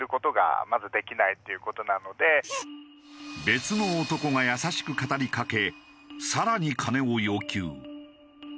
別の男が優しく語りかけさらに金を要求。